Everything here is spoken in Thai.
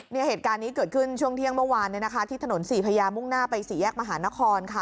เหตุการณ์นี้เกิดขึ้นช่วงเที่ยงเมื่อวานเนี่ยนะคะที่ถนนศรีพญามุ่งหน้าไปสี่แยกมหานครค่ะ